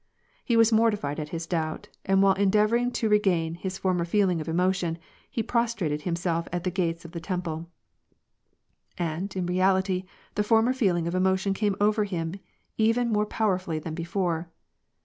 He was mortified at his doubt, and while endeavoring to re gain his former feeling of emotion, he prostrated himself at the gates of the Temple. And, in reality, the former feeling of emotion came over him even more powerfully than before.